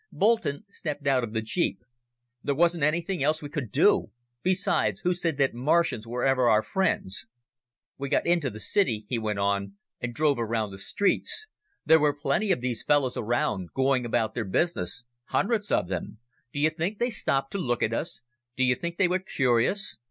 Boulton stepped out of the jeep. "There wasn't anything else we could do. Besides, who said that Martians were ever our friends?" "We got into the city," he went on, "and drove around the streets. There were plenty of these fellows around, going about their business. Hundreds of 'em. Do you think they stopped to look at us? Do you think they were curious?